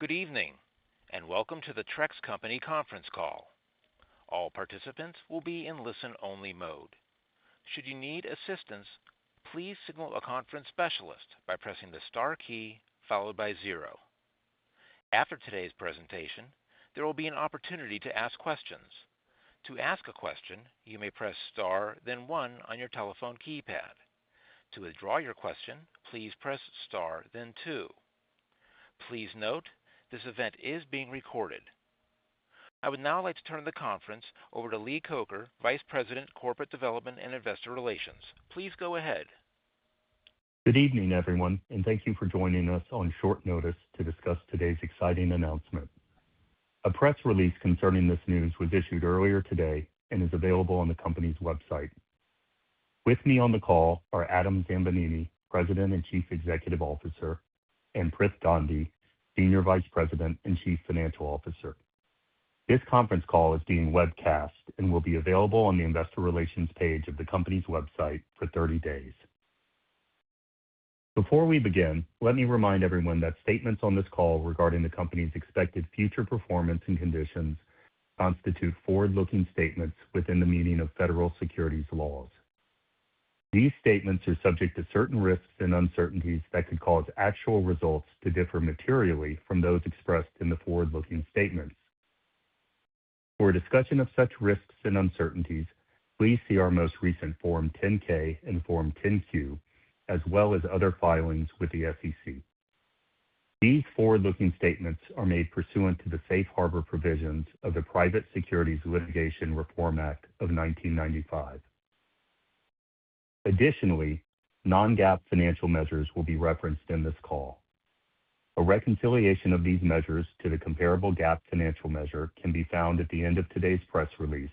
Good evening, and welcome to the Trex Company conference call. All participants will be in listen-only mode. Should you need assistance, please signal a conference specialist by pressing the star key followed by zero. After today's presentation, there will be an opportunity to ask questions. To ask a question, you may press star then one on your telephone keypad. To withdraw your question, please press star then two. Please note, this event is being recorded. I would now like to turn the conference over to Lee Coker, Vice President of Corporate Development and Investor Relations. Please go ahead. Good evening, everyone, and thank you for joining us on short notice to discuss today's exciting announcement. A press release concerning this news was issued earlier today and is available on the company's website. With me on the call are Adam Zambanini, President and Chief Executive Officer, and Prith Gandhi, Senior Vice President and Chief Financial Officer. This conference call is being webcast and will be available on the investor relations page of the company's website for 30 days. Before we begin, let me remind everyone that statements on this call regarding the company's expected future performance and conditions constitute forward-looking statements within the meaning of federal securities laws. These statements are subject to certain risks and uncertainties that could cause actual results to differ materially from those expressed in the forward-looking statements. For a discussion of such risks and uncertainties, please see our most recent Form 10-K and Form 10-Q, as well as other filings with the SEC. These forward-looking statements are made pursuant to the safe harbor provisions of the Private Securities Litigation Reform Act of 1995. Additionally, non-GAAP financial measures will be referenced in this call. A reconciliation of these measures to the comparable GAAP financial measure can be found at the end of today's press release,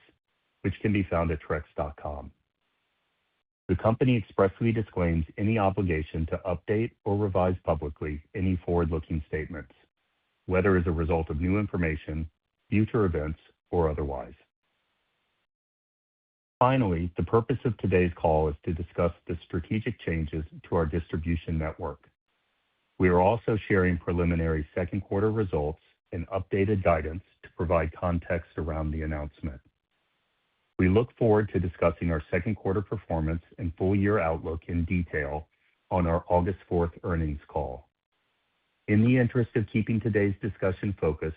which can be found at trex.com. The company expressly disclaims any obligation to update or revise publicly any forward-looking statements, whether as a result of new information, future events, or otherwise. Finally, the purpose of today's call is to discuss the strategic changes to our distribution network. We are also sharing preliminary second quarter results and updated guidance to provide context around the announcement. We look forward to discussing our second quarter performance and full year outlook in detail on our August 4th earnings call. In the interest of keeping today's discussion focused,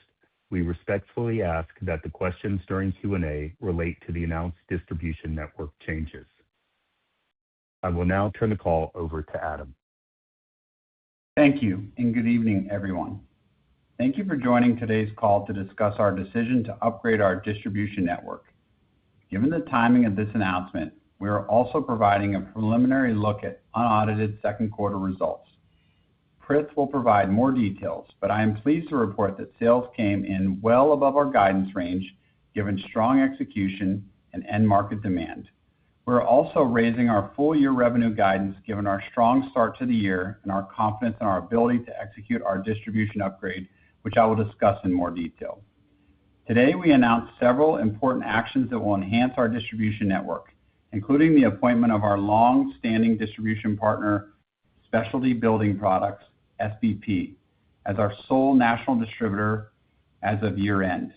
we respectfully ask that the questions during Q&A relate to the announced distribution network changes. I will now turn the call over to Adam. Thank you, and good evening, everyone. Thank you for joining today's call to discuss our decision to upgrade our distribution network. Given the timing of this announcement, we are also providing a preliminary look at unaudited second quarter results. Prith will provide more details, but I am pleased to report that sales came in well above our guidance range, given strong execution and end market demand. We are also raising our full year revenue guidance given our strong start to the year and our confidence in our ability to execute our distribution upgrade, which I will discuss in more detail. Today, we announced several important actions that will enhance our distribution network, including the appointment of our long-standing distribution partner, Specialty Building Products, SBP, as our sole national distributor as of year-end.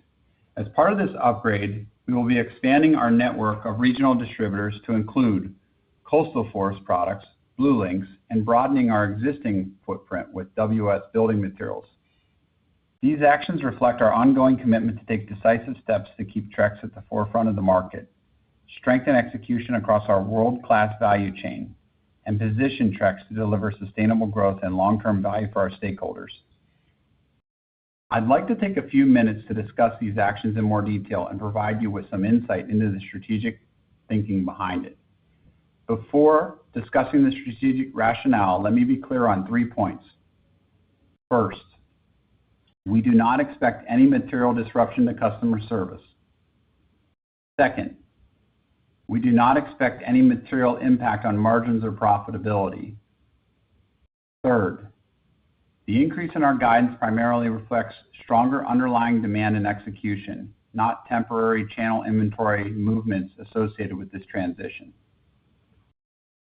As part of this upgrade, we will be expanding our network of regional distributors to include Coastal Forest Products, BlueLinx, and broadening our existing footprint with WS Building Materials. These actions reflect our ongoing commitment to take decisive steps to keep Trex at the forefront of the market, strengthen execution across our world-class value chain, and position Trex to deliver sustainable growth and long-term value for our stakeholders. I'd like to take a few minutes to discuss these actions in more detail and provide you with some insight into the strategic thinking behind it. Before discussing the strategic rationale, let me be clear on three points. First, we do not expect any material disruption to customer service. Second, we do not expect any material impact on margins or profitability. Third, the increase in our guidance primarily reflects stronger underlying demand and execution, not temporary channel inventory movements associated with this transition.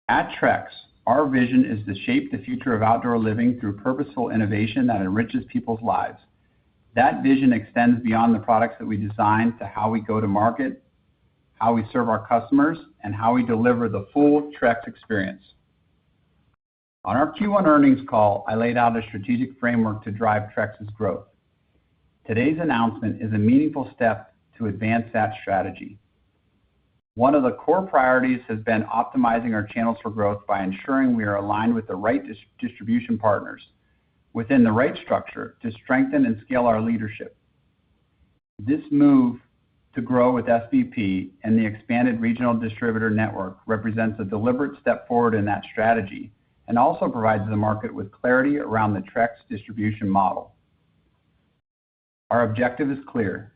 At Trex, our vision is to shape the future of outdoor living through purposeful innovation that enriches people's lives. That vision extends beyond the products that we design to how we go to market, how we serve our customers, and how we deliver the full Trex experience. On our Q1 earnings call, I laid out a strategic framework to drive Trex's growth. Today's announcement is a meaningful step to advance that strategy. One of the core priorities has been optimizing our channels for growth by ensuring we are aligned with the right distribution partners within the right structure to strengthen and scale our leadership. This move to grow with SBP and the expanded regional distributor network represents a deliberate step forward in that strategy and also provides the market with clarity around the Trex distribution model. Our objective is clear.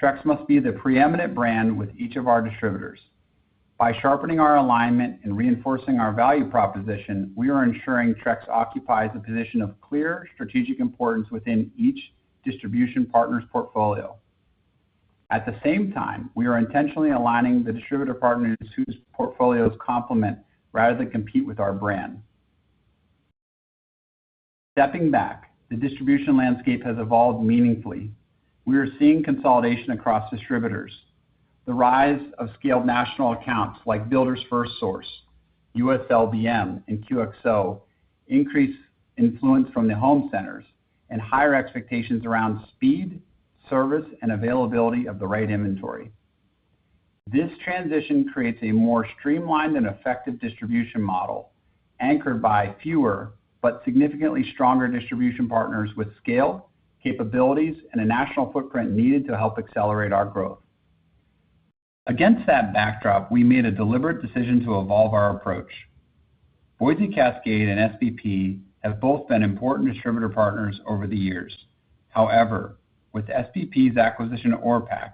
Trex must be the preeminent brand with each of our distributors. By sharpening our alignment and reinforcing our value proposition, we are ensuring Trex occupies a position of clear strategic importance within each distribution partner's portfolio. At the same time, we are intentionally aligning the distributor partners whose portfolios complement rather than compete with our brand. Stepping back, the distribution landscape has evolved meaningfully. We are seeing consolidation across distributors. The rise of scaled national accounts like Builders FirstSource, US LBM, and QXO increase influence from the home centers, and higher expectations around speed, service, and availability of the right inventory. This transition creates a more streamlined and effective distribution model, anchored by fewer but significantly stronger distribution partners with scale, capabilities, and a national footprint needed to help accelerate our growth. Against that backdrop, we made a deliberate decision to evolve our approach. Boise Cascade and SBP have both been important distributor partners over the years. However, with SBP's acquisition of OrePac,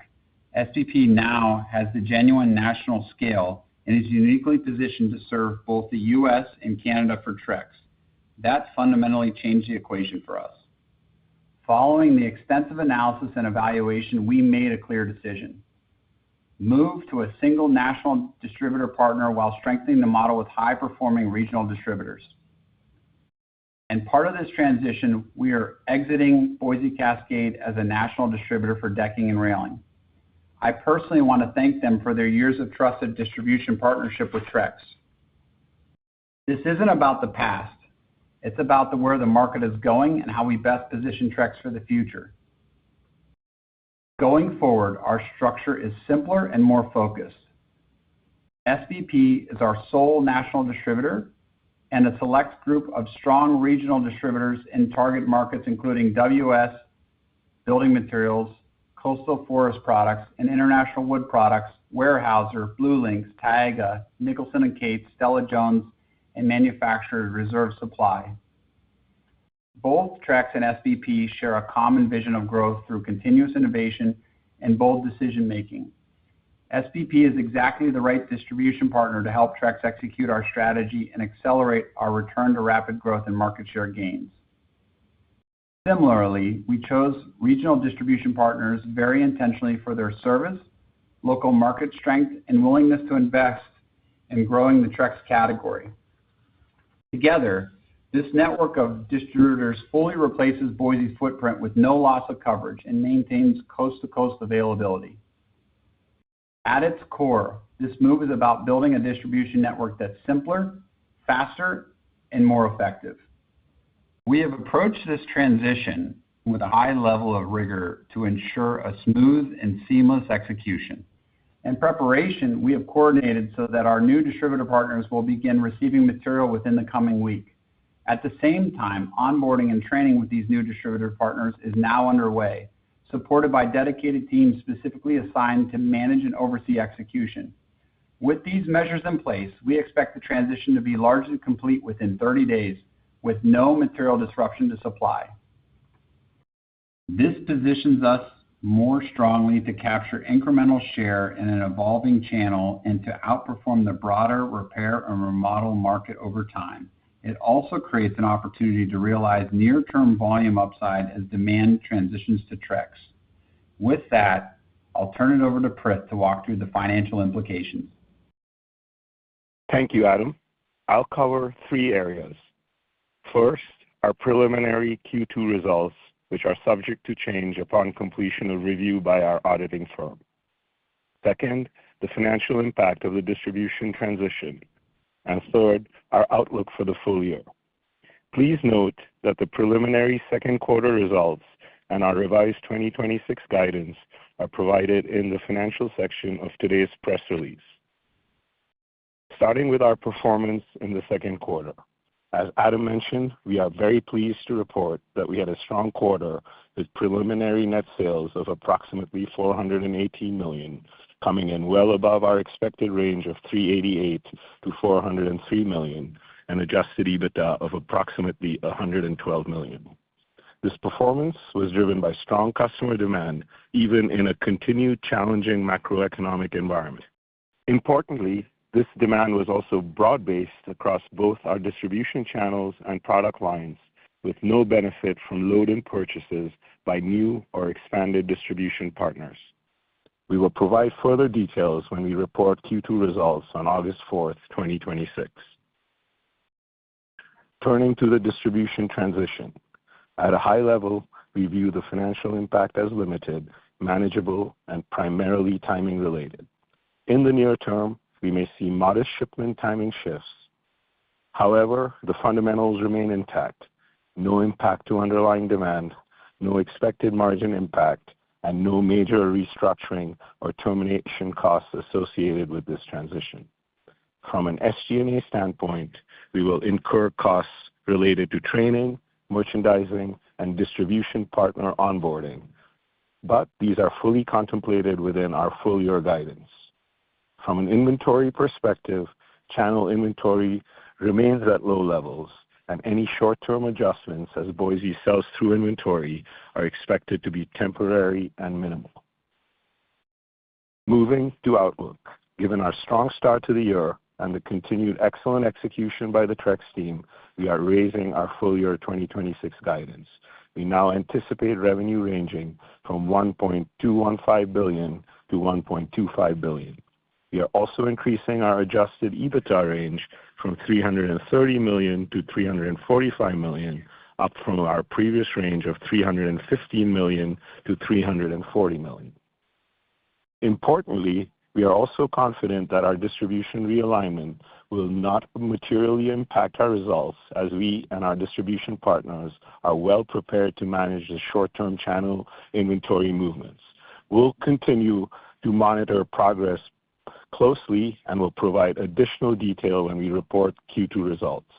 SBP now has the genuine national scale and is uniquely positioned to serve both the U.S. and Canada for Trex. That fundamentally changed the equation for us. Following the extensive analysis and evaluation, we made a clear decision. Move to a single national distributor partner while strengthening the model with high-performing regional distributors. Part of this transition, we are exiting Boise Cascade as a national distributor for decking and railing. I personally want to thank them for their years of trusted distribution partnership with Trex. This isn't about the past. It's about where the market is going and how we best position Trex for the future. Going forward, our structure is simpler and more focused. SBP is our sole national distributor and a select group of strong regional distributors in target markets, including WS Building Materials, Coastal Forest Products, and International Wood Products, Weyerhaeuser, BlueLinx, Taiga, Nicholson and Cates, Stella-Jones, and Manufacturers Reserve Supply. Both Trex and SBP share a common vision of growth through continuous innovation and bold decision-making. SBP is exactly the right distribution partner to help Trex execute our strategy and accelerate our return to rapid growth and market share gains. Similarly, we chose regional distribution partners very intentionally for their service, local market strength, and willingness to invest in growing the Trex category. Together, this network of distributors fully replaces Boise's footprint with no loss of coverage and maintains coast-to-coast availability. At its core, this move is about building a distribution network that's simpler, faster, and more effective. We have approached this transition with a high level of rigor to ensure a smooth and seamless execution. In preparation, we have coordinated so that our new distributor partners will begin receiving material within the coming week. At the same time, onboarding and training with these new distributor partners is now underway, supported by dedicated teams specifically assigned to manage and oversee execution. With these measures in place, we expect the transition to be largely complete within 30 days, with no material disruption to supply. This positions us more strongly to capture incremental share in an evolving channel and to outperform the broader repair and remodel market over time. It also creates an opportunity to realize near-term volume upside as demand transitions to Trex. With that, I'll turn it over to Prith to walk through the financial implications. Thank you, Adam. I'll cover three areas. First, our preliminary Q2 results, which are subject to change upon completion of review by our auditing firm. Second, the financial impact of the distribution transition, and third, our outlook for the full year. Please note that the preliminary second quarter results and our revised 2026 guidance are provided in the financial section of today's press release. Starting with our performance in the second quarter. As Adam mentioned, we are very pleased to report that we had a strong quarter with preliminary net sales of approximately $418 million, coming in well above our expected range of $388 million-$403 million, and adjusted EBITDA of approximately $112 million. This performance was driven by strong customer demand, even in a continued challenging macroeconomic environment. Importantly, this demand was also broad-based across both our distribution channels and product lines, with no benefit from load-in purchases by new or expanded distribution partners. We will provide further details when we report Q2 results on August 4th, 2026. Turning to the distribution transition. At a high level, we view the financial impact as limited, manageable, and primarily timing-related. In the near term, we may see modest shipment timing shifts. However, the fundamentals remain intact. No impact to underlying demand, no expected margin impact, and no major restructuring or termination costs associated with this transition. From an SG&A standpoint, we will incur costs related to training, merchandising, and distribution partner onboarding. These are fully contemplated within our full-year guidance. From an inventory perspective, channel inventory remains at low levels, and any short-term adjustments as Boise sells through inventory are expected to be temporary and minimal. Moving to outlook. Given our strong start to the year, and the continued excellent execution by the Trex team, we are raising our full year 2026 guidance. We now anticipate revenue ranging from $1.215 billion-$1.25 billion. We are also increasing our adjusted EBITDA range from $330 million-$345 million, up from our previous range of $315 million-$340 million. Importantly, we are also confident that our distribution realignment will not materially impact our results as we and our distribution partners are well prepared to manage the short-term channel inventory movements. We'll continue to monitor progress closely and will provide additional detail when we report Q2 results.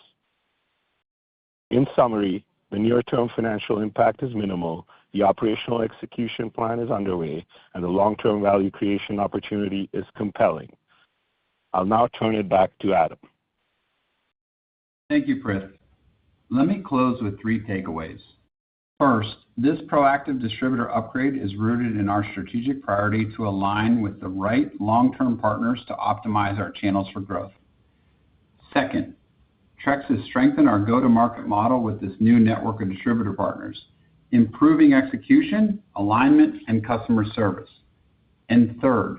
In summary, the near-term financial impact is minimal, the operational execution plan is underway, and the long-term value creation opportunity is compelling. I'll now turn it back to Adam. Thank you, Prith. Let me close with three takeaways. First, this proactive distributor upgrade is rooted in our strategic priority to align with the right long-term partners to optimize our channels for growth. Second, Trex has strengthened our go-to-market model with this new network of distributor partners, improving execution, alignment, and customer service. Third,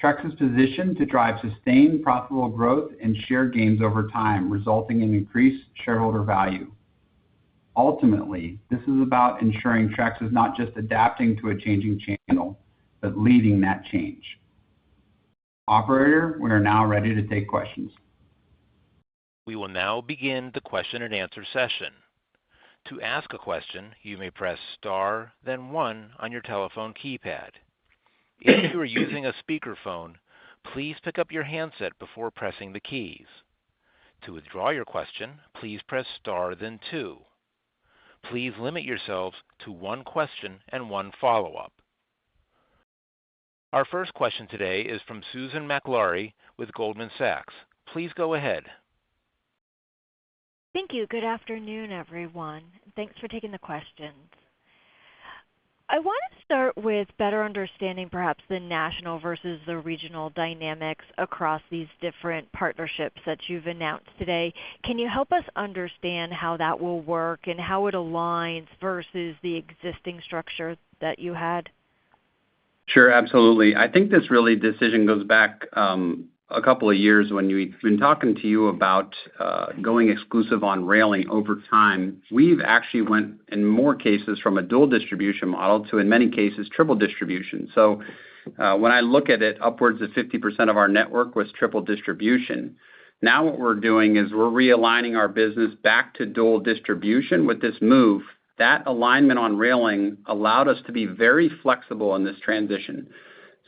Trex is positioned to drive sustained profitable growth and share gains over time, resulting in increased shareholder value. Ultimately, this is about ensuring Trex is not just adapting to a changing channel, but leading that change. Operator, we are now ready to take questions. We will now begin the question and answer session. To ask a question, you may press star then one on your telephone keypad. If you are using a speakerphone, please pick up your handset before pressing the keys. To withdraw your question, please press star then two. Please limit yourselves to one question and one follow-up. Our first question today is from Susan Maklari with Goldman Sachs. Please go ahead. Thank you. Good afternoon, everyone. Thanks for taking the questions. I want to start with better understanding perhaps the national versus the regional dynamics across these different partnerships that you've announced today. Can you help us understand how that will work and how it aligns versus the existing structure that you had? Sure, absolutely. I think this decision goes back a couple of years when we've been talking to you about going exclusive on railing over time. We've actually went in more cases from a dual distribution model to, in many cases, triple distribution. When I look at it, upwards of 50% of our network was triple distribution. Now what we're doing is we're realigning our business back to dual distribution with this move. That alignment on railing allowed us to be very flexible in this transition.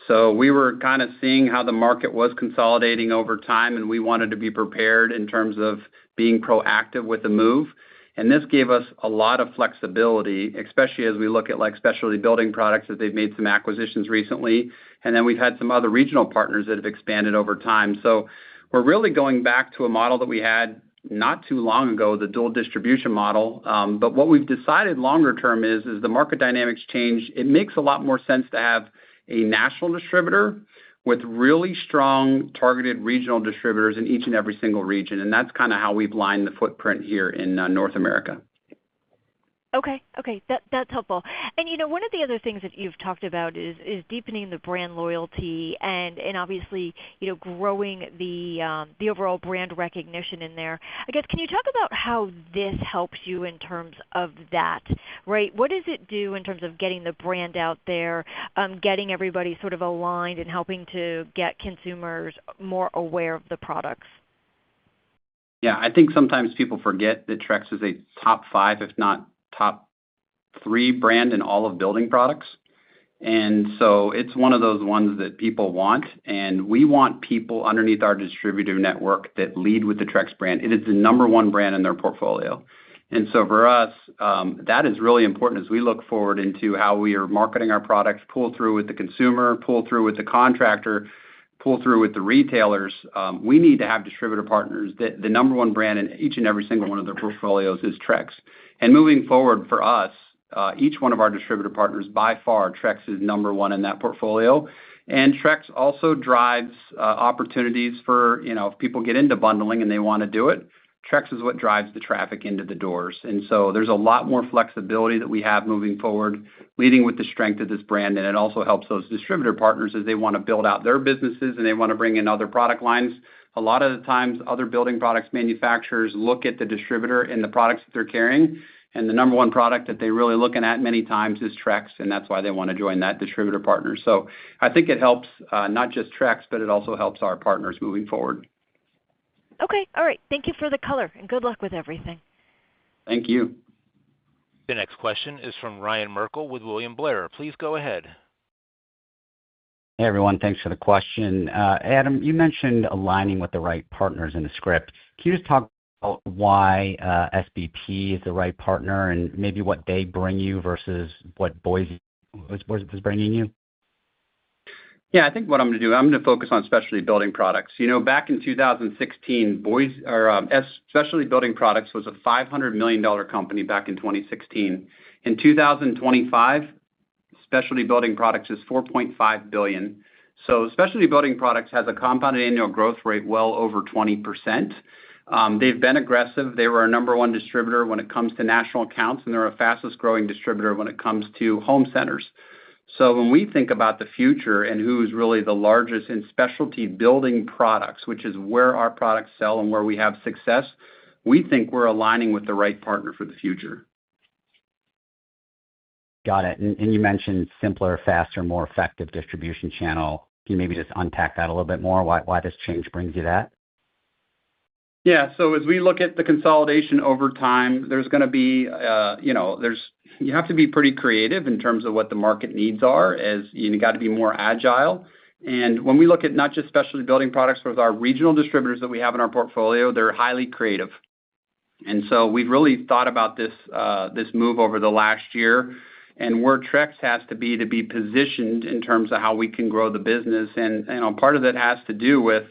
We were kind of seeing how the market was consolidating over time, and we wanted to be prepared in terms of being proactive with the move. This gave us a lot of flexibility, especially as we look at Specialty Building Products as they've made some acquisitions recently. We've had some other regional partners that have expanded over time. We're really going back to a model that we had not too long ago, the dual distribution model. What we've decided longer term is, as the market dynamics change, it makes a lot more sense to have a national distributor with really strong targeted regional distributors in each and every single region. That's kind of how we've lined the footprint here in North America. Okay. That's helpful. One of the other things that you've talked about is deepening the brand loyalty and obviously growing the overall brand recognition in there. Can you talk about how this helps you in terms of that? What does it do in terms of getting the brand out there, getting everybody sort of aligned and helping to get consumers more aware of the products? I think sometimes people forget that Trex is a top five, if not top three brand in all of building products. It's one of those ones that people want, and we want people underneath our distributor network that lead with the Trex brand. It is the number one brand in their portfolio. For us, that is really important as we look forward into how we are marketing our products, pull through with the consumer, pull through with the contractor, pull through with the retailers. We need to have distributor partners that the number one brand in each and every single one of their portfolios is Trex. Moving forward for us, each one of our distributor partners, by far, Trex is number one in that portfolio. Trex also drives opportunities for if people get into bundling and they want to do it, Trex is what drives the traffic into the doors. There's a lot more flexibility that we have moving forward, leading with the strength of this brand, and it also helps those distributor partners as they want to build out their businesses and they want to bring in other product lines. A lot of the times, other building products manufacturers look at the distributor and the products that they're carrying, and the number one product that they're really looking at many times is Trex, and that's why they want to join that distributor partner. I think it helps not just Trex, but it also helps our partners moving forward. Okay. All right. Thank you for the color, and good luck with everything. Thank you. The next question is from Ryan Merkel with William Blair. Please go ahead. Hey, everyone. Thanks for the question. Adam, you mentioned aligning with the right partners in the script. Can you just talk about why SBP is the right partner and maybe what they bring you versus what Boise was bringing you? I think what I'm going to do, I'm going to focus on Specialty Building Products. Back in 2016, Specialty Building Products was a $500 million company back in 2016. In 2025 Specialty Building Products is $4.5 billion. Specialty Building Products has a compounded annual growth rate well over 20%. They've been aggressive. They were our number one distributor when it comes to national accounts, and they're our fastest-growing distributor when it comes to home centers. When we think about the future and who's really the largest in specialty building products, which is where our products sell and where we have success, we think we're aligning with the right partner for the future. Got it. You mentioned simpler, faster, more effective distribution channel. Can you maybe just unpack that a little bit more, why this change brings you that? Yeah. As we look at the consolidation over time, you have to be pretty creative in terms of what the market needs are, as you got to be more agile. When we look at not just Specialty Building Products, but with our regional distributors that we have in our portfolio, they're highly creative. We've really thought about this move over the last year, and where Trex has to be positioned in terms of how we can grow the business. Part of that has to do with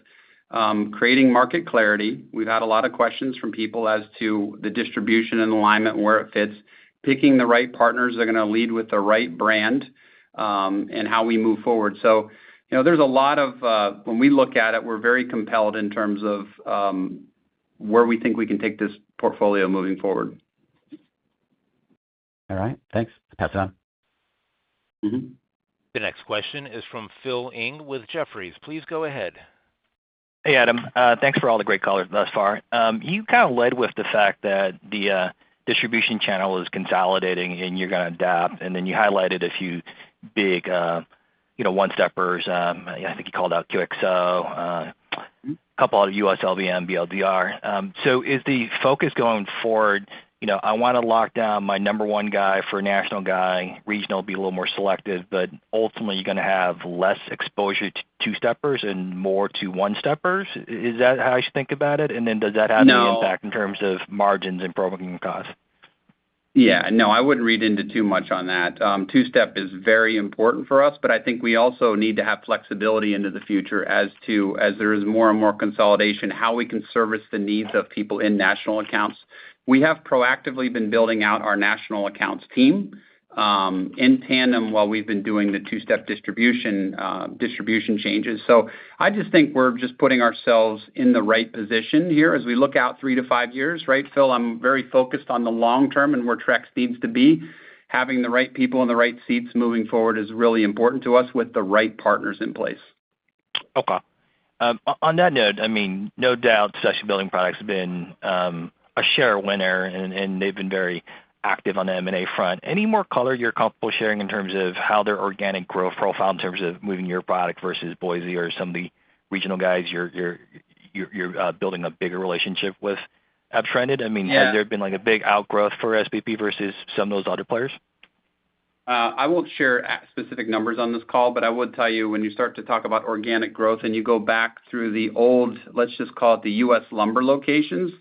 creating market clarity. We've had a lot of questions from people as to the distribution and alignment and where it fits, picking the right partners that are going to lead with the right brand, and how we move forward. When we look at it, we're very compelled in terms of where we think we can take this portfolio moving forward. All right. Thanks. Pass it on. The next question is from Phil Ng with Jefferies. Please go ahead. Hey, Adam. Thanks for all the great color thus far. You kind of led with the fact that the distribution channel is consolidating and you're going to adapt, and then you highlighted a few big one-steppers. I think you called out QXO, a couple other, US LBM, BLDR. Is the focus going forward, I want to lock down my number one guy for a national guy, regional be a little more selective, but ultimately you're going to have less exposure to two-steppers and more to one-steppers. Is that how I should think about it? Does that have. No. Any impact in terms of margins and programming costs? Yeah, no, I wouldn't read into too much on that. Two-step is very important for us, but I think we also need to have flexibility into the future as there is more and more consolidation, how we can service the needs of people in national accounts. We have proactively been building out our national accounts team in tandem while we've been doing the two-step distribution changes. I just think we're just putting ourselves in the right position here as we look out three to five years, right, Phil? I'm very focused on the long term and where Trex needs to be. Having the right people in the right seats moving forward is really important to us with the right partners in place. Okay. On that note, no doubt Specialty Building Products has been a share winner, and they've been very active on the M&A front. Any more color you're comfortable sharing in terms of how their organic growth profile in terms of moving your product versus Boise or some of the regional guys you're building a bigger relationship with up-trended? I mean. Yeah. Has there been a big outgrowth for SBP versus some of those other players? I won't share specific numbers on this call, but I would tell you, when you start to talk about organic growth and you go back through the old, let's just call it the U.S. LUMBER locations.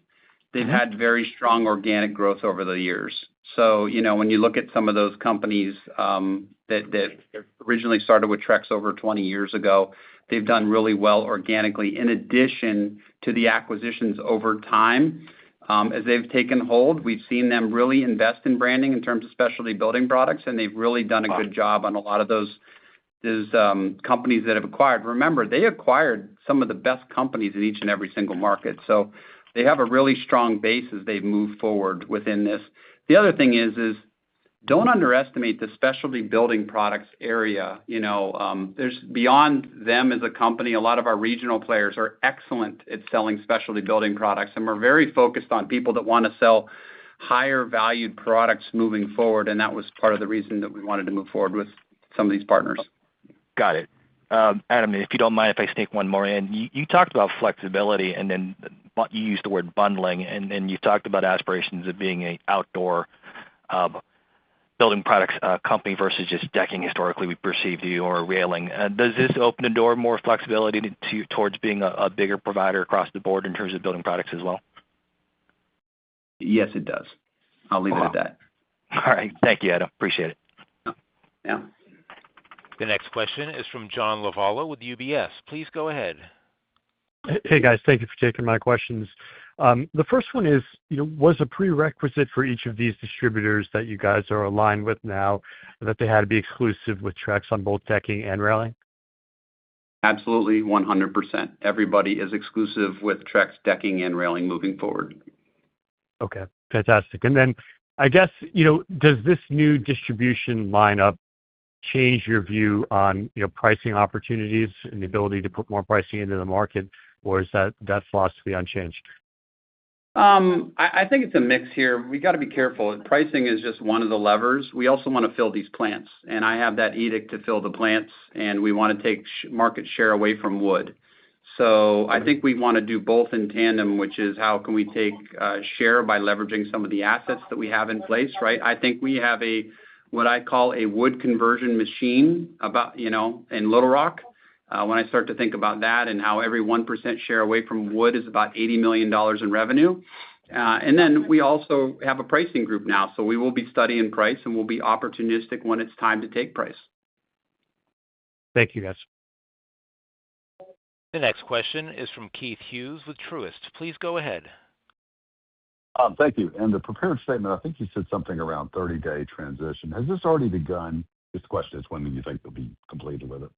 They've had very strong organic growth over the years. When you look at some of those companies that originally started with Trex over 20 years ago, they've done really well organically. In addition to the acquisitions over time, as they've taken hold, we've seen them really invest in branding in terms of Specialty Building Products, and they've really done a good job. Okay. On a lot of those companies that have acquired. Remember, they acquired some of the best companies in each and every single market. They have a really strong base as they've moved forward within this. The other thing is, don't underestimate the specialty building products area. Beyond them as a company, a lot of our regional players are excellent at selling specialty building products, and we're very focused on people that want to sell higher valued products moving forward, and that was part of the reason that we wanted to move forward with some of these partners. Got it. Adam, if you don't mind if I sneak one more in. You talked about flexibility and then you used the word bundling, and you talked about aspirations of being an outdoor building products company versus just decking historically we've perceived you or railing. Does this open the door more flexibility towards being a bigger provider across the board in terms of building products as well? Yes, it does. I'll leave it at that. All right. Thank you, Adam. Appreciate it. Yeah. The next question is from John Lovallo with UBS. Please go ahead. Hey, guys. Thank you for taking my questions. The first one is, was a prerequisite for each of these distributors that you guys are aligned with now that they had to be exclusive with Trex on both decking and railing? Absolutely, 100%. Everybody is exclusive with Trex decking and railing moving forward. Okay, fantastic. Then, I guess, does this new distribution line-up change your view on pricing opportunities and the ability to put more pricing into the market, or is that philosophy unchanged? I think it's a mix here. We got to be careful. Pricing is just one of the levers. We also want to fill these plants, and I have that edict to fill the plants, and we want to take market share away from wood. I think we want to do both in tandem, which is how can we take share by leveraging some of the assets that we have in place, right? I think we have a, what I call a wood conversion machine in Little Rock. When I start to think about that and how every 1% share away from wood is about $80 million in revenue. We also have a pricing group now, so we will be studying price, and we'll be opportunistic when it's time to take price. Thank you, guys. The next question is from Keith Hughes with Truist. Please go ahead. Thank you. In the prepared statement, I think you said something around 30-day transition. Has this already begun? This question is when do you think you'll be completed with it?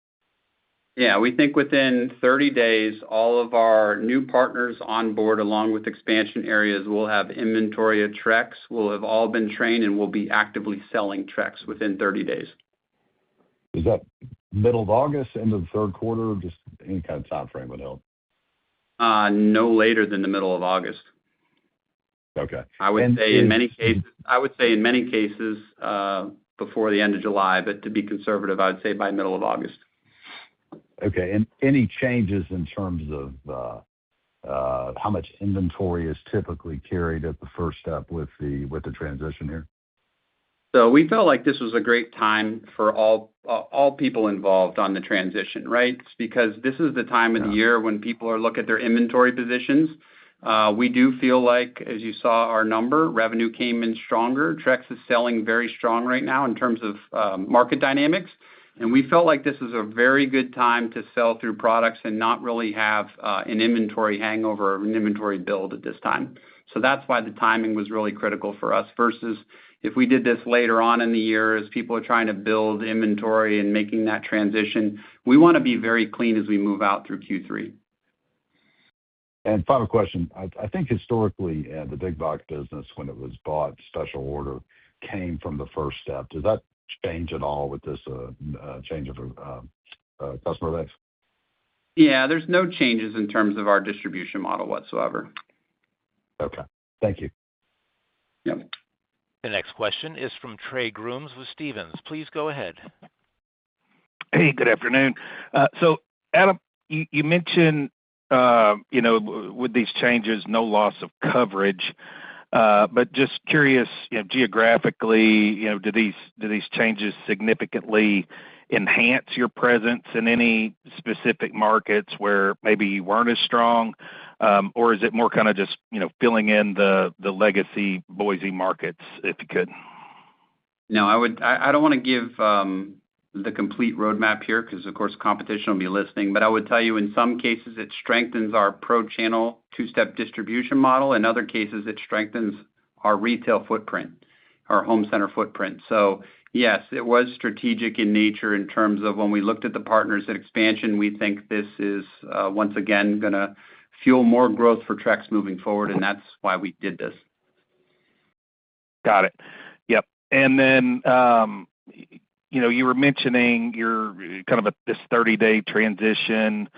Yeah. We think within 30 days, all of our new partners on board, along with expansion areas, will have inventory of Trex, will have all been trained, and will be actively selling Trex within 30 days. Is that middle of August, end of the third quarter? Just any kind of timeframe would help. No later than the middle of August. Okay. I would say in many cases, before the end of July. To be conservative, I would say by middle of August. Okay. Any changes in terms of how much inventory is typically carried at the first step with the transition here? We felt like this was a great time for all people involved on the transition, right? Because this is the time of the year when people look at their inventory positions. We do feel like, as you saw our number, revenue came in stronger. Trex is selling very strong right now in terms of market dynamics. We felt like this is a very good time to sell through products and not really have an inventory hangover or an inventory build at this time. That's why the timing was really critical for us versus if we did this later on in the year as people are trying to build inventory and making that transition. We want to be very clean as we move out through Q3. Final question. I think historically, the big box business, when it was bought, special order came from the first step. Does that change at all with this change of customer base? Yeah. There's no changes in terms of our distribution model whatsoever. Okay. Thank you. Yep. The next question is from Trey Grooms with Stephens. Please go ahead. Hey, good afternoon. Adam, you mentioned with these changes, no loss of coverage. Just curious, geographically, do these changes significantly enhance your presence in any specific markets where maybe you weren't as strong? Or is it more kind of just filling in the legacy Boise markets, if you could? No, I don't want to give the complete roadmap here because, of course, competition will be listening. I would tell you, in some cases, it strengthens our pro channel two-step distribution model. In other cases, it strengthens our retail footprint, our home center footprint. Yes, it was strategic in nature in terms of when we looked at the partners and expansion, we think this is once again going to fuel more growth for Trex moving forward, and that's why we did this. Got it. Yep. You were mentioning this 30-day transition,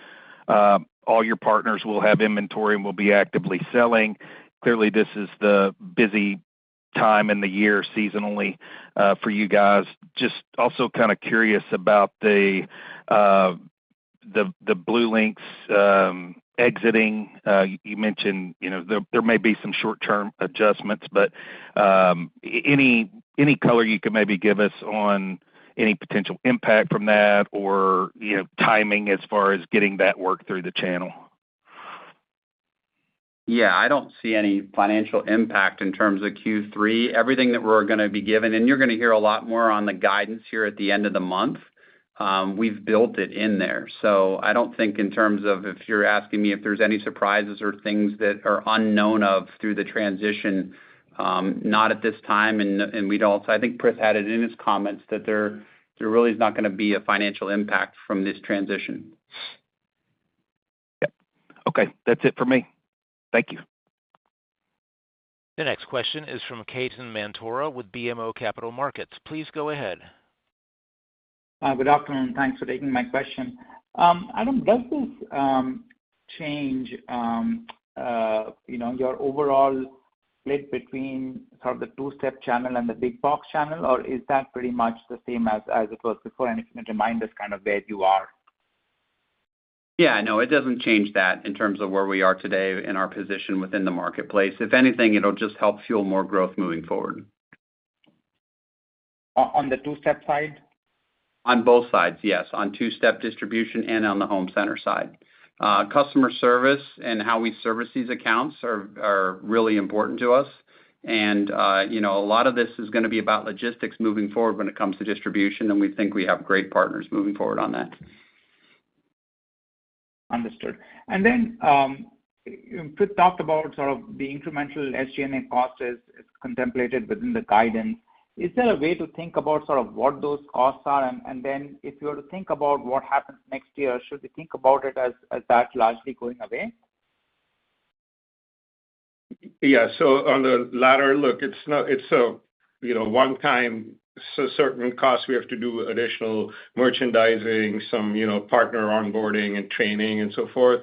all your partners will have inventory and will be actively selling. Clearly, this is the busy time in the year seasonally for you guys. Just also kind of curious about the BlueLinx exiting. You mentioned there may be some short-term adjustments, but any color you could maybe give us on any potential impact from that or timing as far as getting that work through the channel? Yeah, I don't see any financial impact in terms of Q3. Everything that we're going to be given, and you're going to hear a lot more on the guidance here at the end of the month, we've built it in there. I don't think in terms of if you're asking me if there's any surprises or things that are unknown of through the transition, not at this time. I think Prith had it in his comments that there really is not going to be a financial impact from this transition. Yep. Okay, that's it for me. Thank you. The next question is from Ketan Mamtora with BMO Capital Markets. Please go ahead. Good afternoon. Thanks for taking my question. Adam, does this change your overall split between sort of the two-step channel and the big box channel, or is that pretty much the same as it was before? If you can remind us kind of where you are. Yeah, no, it doesn't change that in terms of where we are today in our position within the marketplace. If anything, it'll just help fuel more growth moving forward. On the two-step side? On both sides, yes. On two-step distribution and on the home center side. Customer service and how we service these accounts are really important to us. A lot of this is going to be about logistics moving forward when it comes to distribution, and we think we have great partners moving forward on that. Understood. Prith talked about sort of the incremental SG&A costs as contemplated within the guidance. Is there a way to think about sort of what those costs are? If you were to think about what happens next year, should we think about it as that largely going away? Yeah. On the latter look, it's a one-time certain cost. We have to do additional merchandising, some partner onboarding and training, and so forth.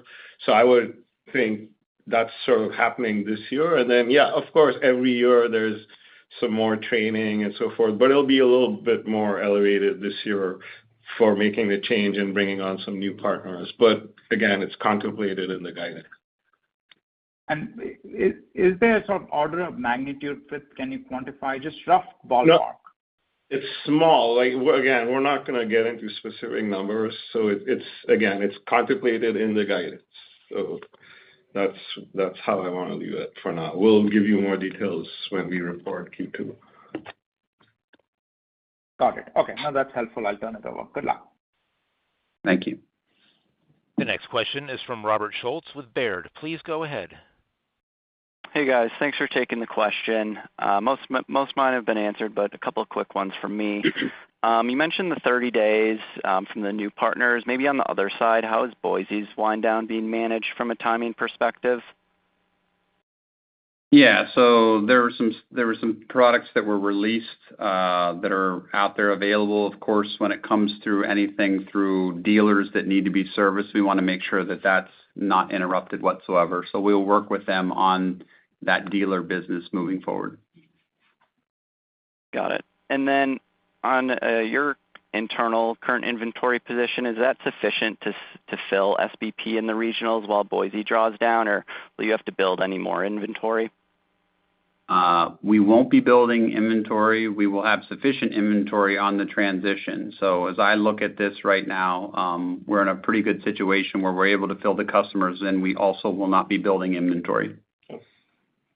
I would think that's sort of happening this year. Yeah, of course, every year there's some more training and so forth, but it'll be a little bit more elevated this year for making the change and bringing on some new partners. Again, it's contemplated in the guidance. Is there a sort of order of magnitude, Prith, can you quantify? Just rough ballpark. No, it's small. Again, we're not going to get into specific numbers. Again, it's contemplated in the guidance. That's how I want to leave it for now. We'll give you more details when we report Q2. Got it. Okay. No, that's helpful. I'll turn it over. Good luck. Thank you. The next question is from Robert Schultz with Baird. Please go ahead. Hey, guys. Thanks for taking the question. Most of mine have been answered, but a couple of quick ones from me. You mentioned the 30 days from the new partners. Maybe on the other side, how is Boise's wind down being managed from a timing perspective? Yeah. There were some products that were released that are out there available. Of course, when it comes through anything through dealers that need to be serviced, we want to make sure that that's not interrupted whatsoever. We'll work with them on that dealer business moving forward. Got it. On your internal current inventory position, is that sufficient to fill SBP in the regionals while Boise draws down, or will you have to build any more inventory? We won't be building inventory. We will have sufficient inventory on the transition. As I look at this right now, we're in a pretty good situation where we're able to fill the customers in. We also will not be building inventory.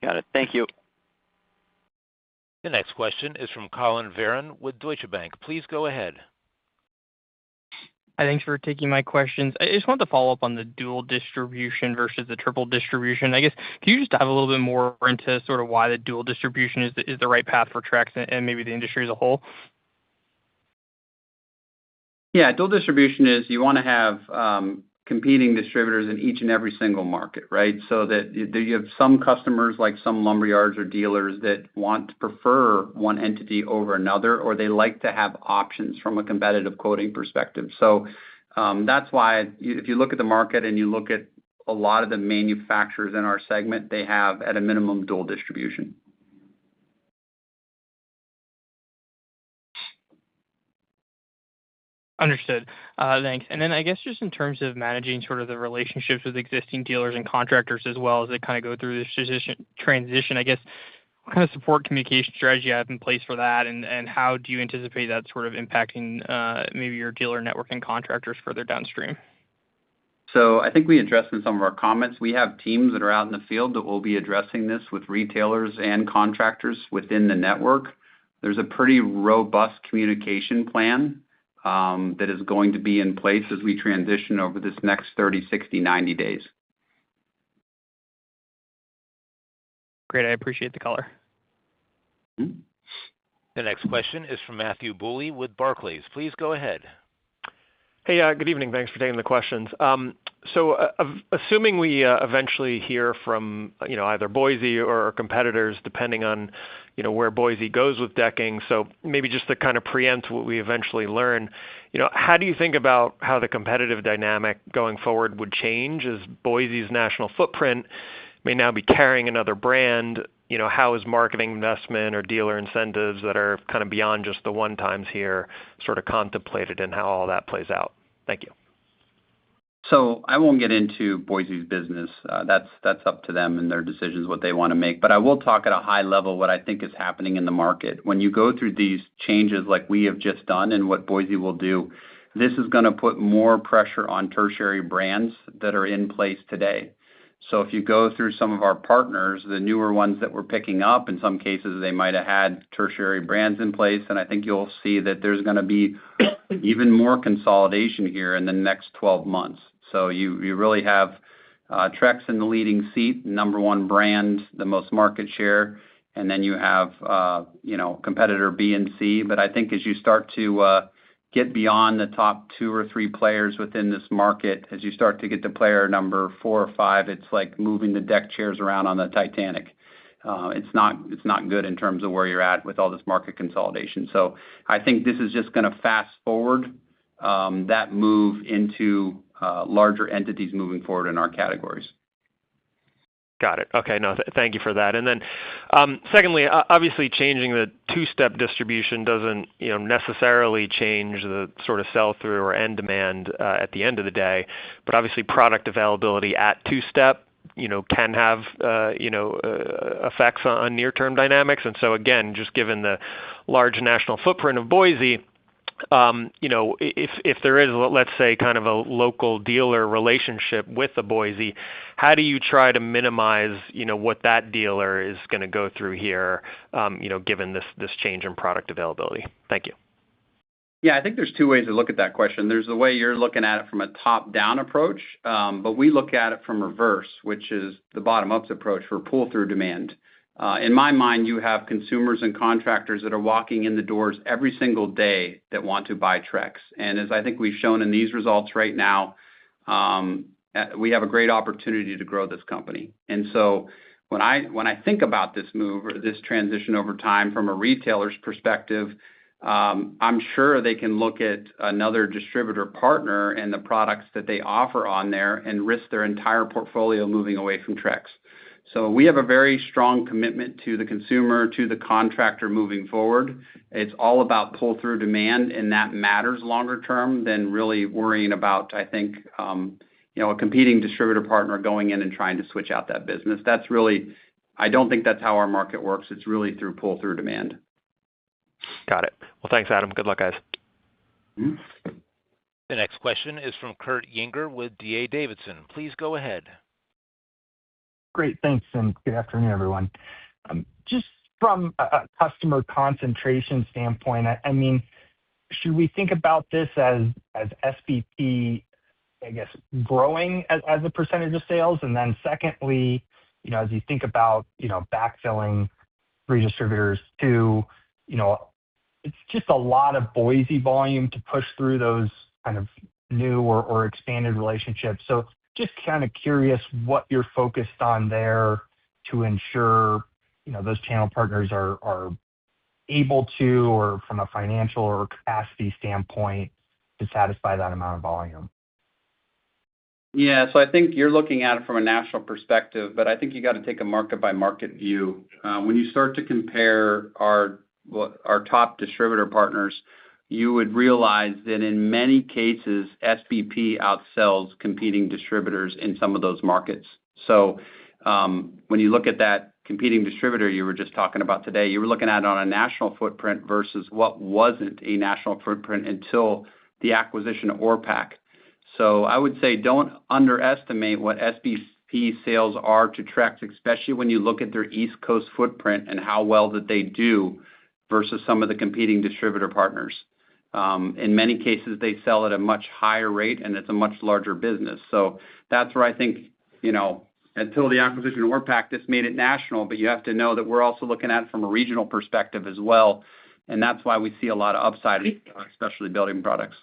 Okay. Got it. Thank you. The next question is from Collin Verron with Deutsche Bank. Please go ahead. Thanks for taking my questions. I just wanted to follow up on the dual distribution versus the triple distribution. I guess, can you just dive a little bit more into sort of why the dual distribution is the right path for Trex and maybe the industry as a whole? Yeah. Dual distribution is you want to have competing distributors in each and every single market, right? That you have some customers, like some lumberyards or dealers that want to prefer one entity over another, or they like to have options from a competitive quoting perspective. That's why if you look at the market and you look at a lot of the manufacturers in our segment, they have, at a minimum, dual distribution. Understood. Thanks. Then, I guess, just in terms of managing sort of the relationships with existing dealers and contractors as well as they kind of go through this transition, I guess, what kind of support communication strategy you have in place for that, and how do you anticipate that sort of impacting maybe your dealer network and contractors further downstream? I think we addressed in some of our comments, we have teams that are out in the field that will be addressing this with retailers and contractors within the network. There is a pretty robust communication plan that is going to be in place as we transition over this next 30, 60, 90 days. Great. I appreciate the color. The next question is from Matthew Bouley with Barclays. Please go ahead. Hey. Good evening. Thanks for taking the questions. Assuming we eventually hear from either Boise or competitors, depending on where Boise goes with decking. Maybe just to kind of preempt what we eventually learn, how do you think about how the competitive dynamic going forward would change as Boise's national footprint may now be carrying another brand? How is marketing investment or dealer incentives that are kind of beyond just the one times here sort of contemplated and how all that plays out? Thank you. I won't get into Boise's business. That's up to them and their decisions, what they want to make. I will talk at a high level what I think is happening in the market. When you go through these changes like we have just done and what Boise will do, this is going to put more pressure on tertiary brands that are in place today. If you go through some of our partners, the newer ones that we're picking up, in some cases, they might have had tertiary brands in place, and I think you'll see that there's going to be even more consolidation here in the next 12 months. You really have Trex in the leading seat, number one brand, the most market share, and then you have competitor B and C. I think as you start to get beyond the top two or three players within this market, as you start to get to player number four or five, it's like moving the deck chairs around on the Titanic. It's not good in terms of where you're at with all this market consolidation. I think this is just going to fast forward that move into larger entities moving forward in our categories. Got it. Okay. Thank you for that. Secondly, obviously changing the two-step distribution doesn't necessarily change the sort of sell-through or end demand at the end of the day. Obviously, product availability at two-step can have effects on near term dynamics. Just given the large national footprint of Boise, if there is, let's say, kind of a local dealer relationship with the Boise, how do you try to minimize what that dealer is going to go through here given this change in product availability? Thank you. I think there's two ways to look at that question. There's the way you're looking at it from a top-down approach, we look at it from reverse, which is the bottom-up approach for pull-through demand. In my mind, you have consumers and contractors that are walking in the doors every single day that want to buy Trex. As I think we've shown in these results right now, we have a great opportunity to grow this company. When I think about this move or this transition over time from a retailer's perspective, I'm sure they can look at another distributor partner and the products that they offer on there and risk their entire portfolio moving away from Trex. We have a very strong commitment to the consumer, to the contractor moving forward. It's all about pull-through demand, and that matters longer term than really worrying about, I think, a competing distributor partner going in and trying to switch out that business. I don't think that's how our market works. It's really through pull-through demand. Got it. Well, thanks, Adam. Good luck, guys. The next question is from Kurt Yinger with D.A. Davidson. Please go ahead. Great. Thanks, good afternoon, everyone. Just from a customer concentration standpoint, should we think about this as SBP, I guess, growing as a percentage of sales? Then secondly, as you think about backfilling free distributors too, it's just a lot of Boise volume to push through those kind of new or expanded relationships. Just kind of curious what you're focused on there to ensure those channel partners are able to, or from a financial or capacity standpoint, to satisfy that amount of volume? I think you're looking at it from a national perspective, but I think you got to take a market-by-market view. When you start to compare our top distributor partners, you would realize that in many cases, SBP outsells competing distributors in some of those markets. When you look at that competing distributor you were just talking about today, you were looking at it on a national footprint versus what wasn't a national footprint until the acquisition of OrePac. I would say, don't underestimate what SBP sales are to Trex, especially when you look at their East Coast footprint and how well that they do versus some of the competing distributor partners. In many cases, they sell at a much higher rate, and it's a much larger business. That's where I think, until the acquisition of OrePac, this made it national. You have to know that we're also looking at it from a regional perspective as well. That's why we see a lot of upside, especially building products.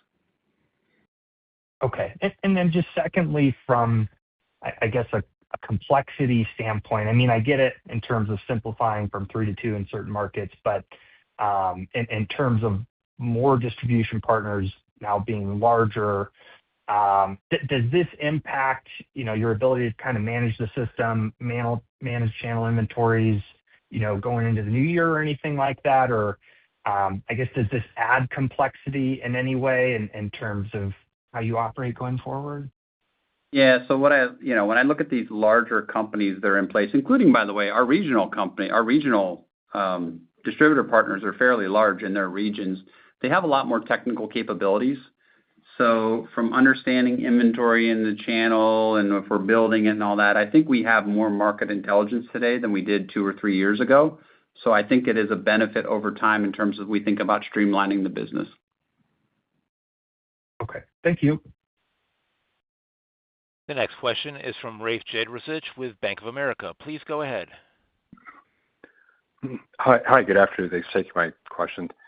Okay. Then just secondly, from, I guess, a complexity standpoint. I get it in terms of simplifying from three to two in certain markets. In terms of more distribution partners now being larger, does this impact your ability to kind of manage the system, manage channel inventories going into the new year or anything like that? I guess, does this add complexity in any way in terms of how you operate going forward? When I look at these larger companies that are in place, including, by the way, our regional distributor partners are fairly large in their regions. They have a lot more technical capabilities. From understanding inventory in the channel and if we're building it and all that, I think we have more market intelligence today than we did two or three years ago. I think it is a benefit over time in terms of we think about streamlining the business. Okay. Thank you. The next question is from Rafe Jadrosich with Bank of America. Please go ahead. Hi, good afternoon. Thanks. My question. Just,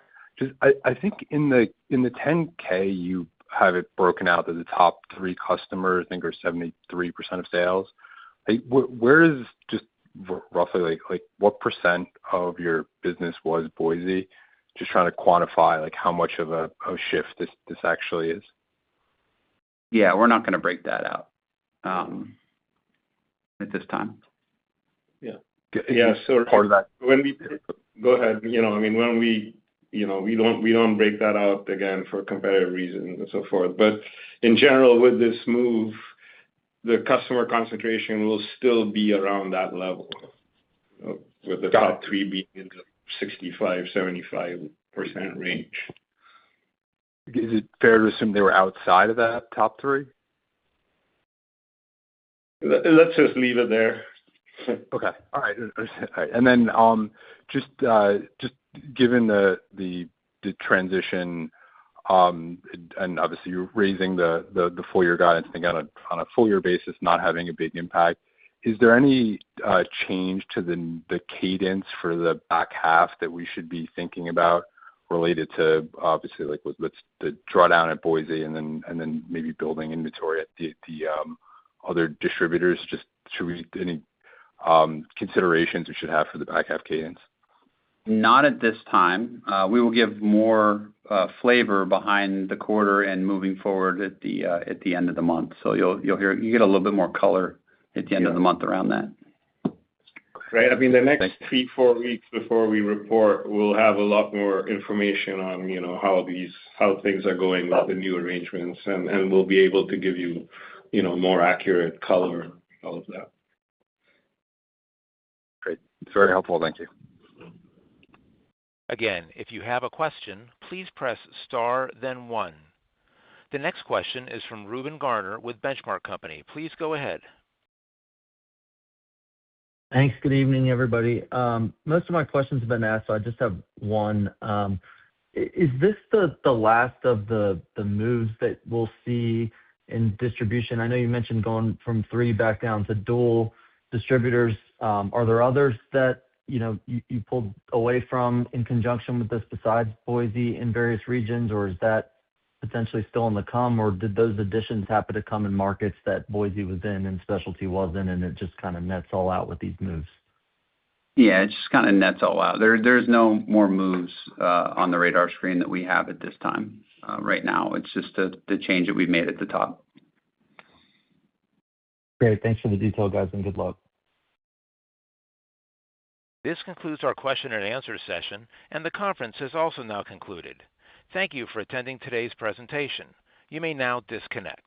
I think in the 10-K, you have it broken out that the top three customers, I think, are 73% of sales. Where is just roughly, what percent of your business was Boise? Just trying to quantify how much of a shift this actually is. Yeah, we're not going to break that out at this time. Yeah. Part of that. Go ahead. We don't break that out, again, for competitive reasons and so forth. In general, with this move, the customer concentration will still be around that level, with the top three being in the 65%-75% range. Is it fair to assume they were outside of that top three? Let's just leave it there. Okay. All right. Then, just given the transition, and obviously you're raising the full year guidance, I think on a full year basis, not having a big impact, is there any change to the cadence for the back half that we should be thinking about related to, obviously, the drawdown at Boise and then maybe building inventory at the other distributors, any considerations we should have for the back half cadence? Not at this time. We will give more flavor behind the quarter and moving forward at the end of the month. You'll get a little bit more color at the end of the month around that. Great. I mean, the next three, four weeks before we report, we'll have a lot more information on how things are going with the new arrangements, and we'll be able to give you more accurate color and all of that. Great. It's very helpful. Thank you. Again, if you have a question, please press star then one. The next question is from Reuben Garner with Benchmark Company. Please go ahead. Thanks. Good evening, everybody. Most of my questions have been asked. I just have one. Is this the last of the moves that we'll see in distribution? I know you mentioned going from three back down to dual distributors. Are there others that you pulled away from in conjunction with this besides Boise in various regions, or is that potentially still in the come, or did those additions happen to come in markets that Boise was in and Specialty was in, and it just kind of nets all out with these moves? It just kind of nets all out. There's no more moves on the radar screen that we have at this time right now. It's just the change that we've made at the top. Great. Thanks for the detail, guys. Good luck. This concludes our question and answer session. The conference is also now concluded. Thank you for attending today's presentation. You may now disconnect.